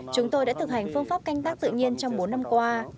chúng tôi đã thực hành phương pháp canh tác tự nhiên trong bốn năm qua